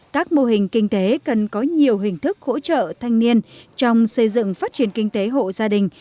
các mô hình kinh tế cần có nhiều hình thức hỗ trợ thanh niên trong xây dựng phát triển kinh tế hộ gia đình